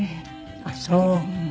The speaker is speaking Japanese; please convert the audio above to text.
ああそう。